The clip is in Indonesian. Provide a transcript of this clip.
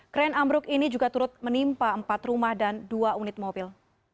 kren ambruk ini juga turut menimpa empat rumah dan dua unit mobil